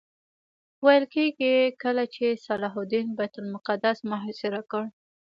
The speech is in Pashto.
ویل کېږي کله چې صلاح الدین بیت المقدس محاصره کړ.